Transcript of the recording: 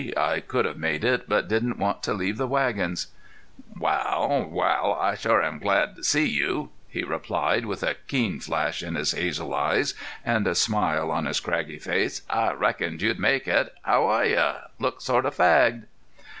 I could have made it, but didn't want to leave the wagons." "Wal, wal, I shore am glad to see you," he replied, with a keen flash in his hazel eyes and a smile on his craggy face. "I reckoned you'd make it. How are you? Look sort of fagged."